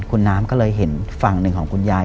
คุณน้ำก็เลยเห็นฝั่งหนึ่งของคุณยาย